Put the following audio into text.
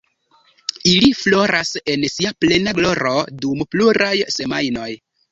Ili floras en sia plena gloro dum pluraj semajnoj.